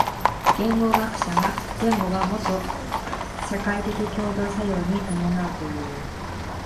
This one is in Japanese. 言語学者は言語はもと社会的共同作用に伴うという。